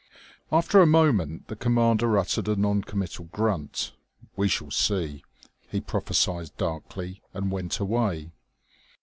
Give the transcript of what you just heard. After a moment the commander uttered a non committal grunt. "We shall see," he prophesied darkly, and went away.